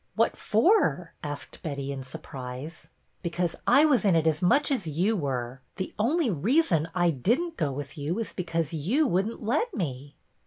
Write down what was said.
" What for ?" asked Betty, in surprise. " Because I was in it as much as you were. The only reason I did n't go with you was because you wouldn't let me."